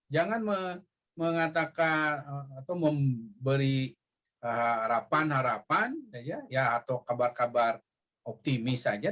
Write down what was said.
jangan mengatakan atau memberi harapan harapan atau kabar kabar optimis saja